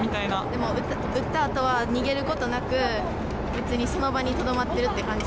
でも撃ったあとは逃げることなくその場にとどまっているという感じ。